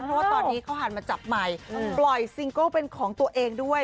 เพราะว่าตอนนี้เขาหันมาจับใหม่ปล่อยซิงเกิลเป็นของตัวเองด้วย